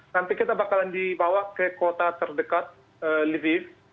nanti kita bakalan dibawa ke kota terdekat livi